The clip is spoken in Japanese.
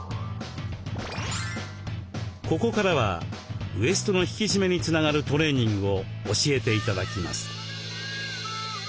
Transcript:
ここからはウエストの引きしめにつながるトレーニングを教えて頂きます。